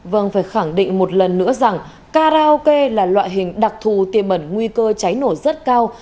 vâng phải khẳng định một lần nữa rằng karaoke là loại hình đặc thù tiềm ẩn nguy cơ cháy nổ rất cao